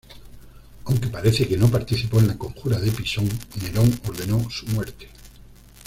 Aunque parece que no participó en la conjura de Pisón, Nerón ordenó su muerte.